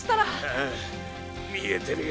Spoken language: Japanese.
ああ見えてるよ。